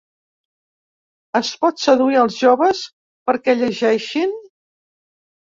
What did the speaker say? Es pot seduir els joves perquè llegeixin?